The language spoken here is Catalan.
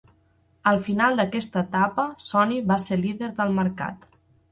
Al final d'aquesta etapa, Sony va ser líder del mercat.